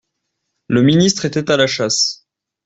Le ministre était à la chasse.